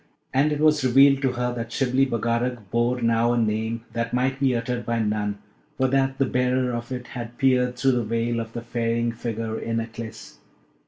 And it was revealed to her that Shibli Bagarag bore now a name that might be uttered by none, for that the bearer of it had peered through the veil of the ferrying figure in Aklis.